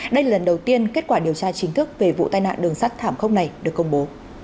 đây là lần đầu tiên kết quả điều tra chính thức về vụ tai nạn đường sắt thảm khốc này được công bố